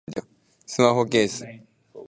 スマホケース